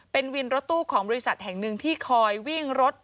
เป็นวินรถตู้ของบริษัทแห่งหนึ่งที่คอยวิ่งรถ